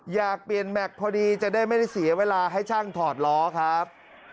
อยากเปลี่ยนแม็กซ์พอดีจะได้ไม่ได้เสียเวลาให้ช่างถอดล้อครับ